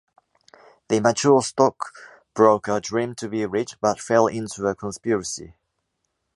The immature stock broker dreamed to be rich, but fell into a conspiracy.